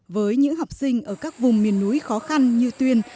với những học sinh ở các vùng miền núi khó khăn như tuyên